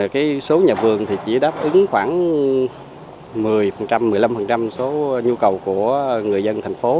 cái số nhà vườn thì chỉ đáp ứng khoảng một mươi một mươi năm số nhu cầu của người dân thành phố